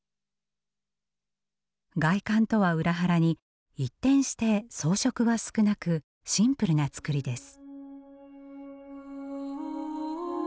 外観とは裏腹に一転して装飾は少なくシンプルな作りです。